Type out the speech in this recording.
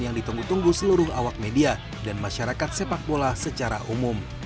yang ditunggu tunggu seluruh awak media dan masyarakat sepak bola secara umum